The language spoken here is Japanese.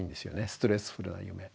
ストレスフルな夢。